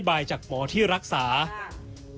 แม่จะมาเรียกร้องอะไร